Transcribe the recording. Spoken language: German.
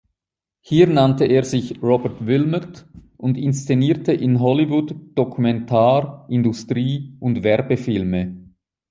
Hier nannte er sich "Robert Wilmot" und inszenierte in Hollywood Dokumentar-, Industrie- und Werbefilme.